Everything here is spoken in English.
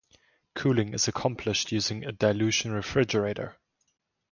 Cooling is accomplished using a dilution refrigerator.